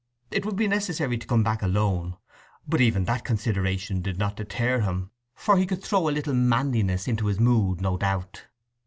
It would be necessary to come back alone, but even that consideration did not deter him, for he could throw a little manliness into his mood, no doubt.